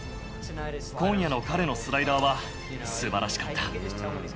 今夜の彼のスライダーはすばらしかった。